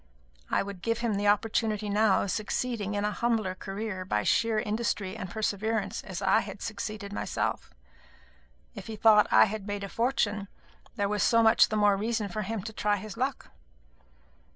I would give him the opportunity now of succeeding in a humbler career by sheer industry and perseverance as I had succeeded myself. If he thought that I had made a fortune, there was so much the more reason for him to try his luck.